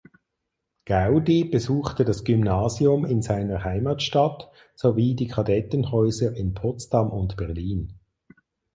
Gaudy besuchte das Gymnasium in seiner Heimatstadt sowie die Kadettenhäuser in Potsdam und Berlin.